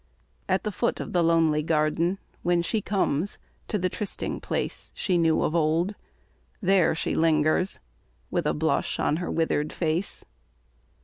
At the foot of the lonely garden, When she comes to the trysting place She knew of old, there she lingers, With a blush on her withered face.